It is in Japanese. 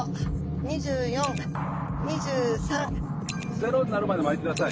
０になるまで巻いてください。